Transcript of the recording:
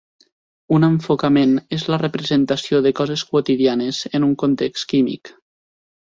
Un enfocament és la representació de coses quotidianes en un context químic.